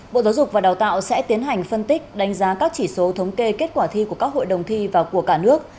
bộ giáo dục và đào tạo sẽ tiến hành phân tích đánh giá các chỉ số thống kê kết quả thi của các hội đồng thi và của cả nước